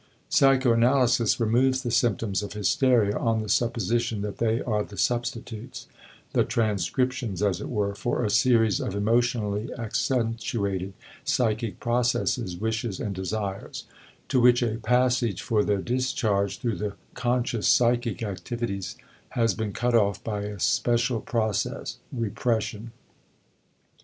Psychoanalysis removes the symptoms of hysteria on the supposition that they are the substitutes the transcriptions as it were for a series of emotionally accentuated psychic processes, wishes, and desires, to which a passage for their discharge through the conscious psychic activities has been cut off by a special process (repression).